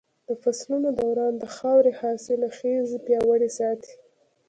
د فصلونو دوران د خاورې حاصلخېزي پياوړې ساتي.